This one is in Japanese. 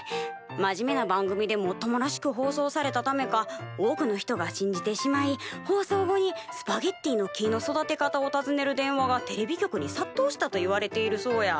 真面目な番組でもっともらしく放送されたためか多くの人が信じてしまい放送後にスパゲッティの木の育て方をたずねる電話がテレビ局にさっとうしたといわれているそうや。